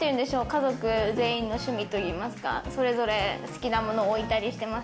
家族全員の趣味といいますか、それぞれ好きなものを置いたりしています。